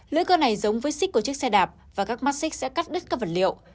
lưỡi cơ này giống với xích của chiếc xe đạp và các mắt xích sẽ cắt đứt các vật liệu